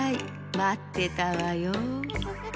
まってたわよ。